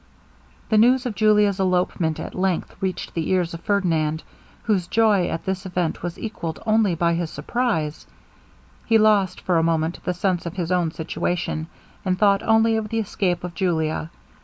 The news of Julia's elopement at length reached the ears of Ferdinand, whose joy at this event was equalled only by his surprize. He lost, for a moment, the sense of his own situation, and thought only of the escape of Julia.